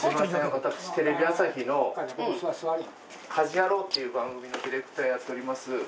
私テレビ朝日の『家事ヤロウ！！！』っていう番組のディレクターやっております。